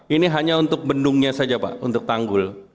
ini hanya untuk bendungnya saja pak untuk tanggul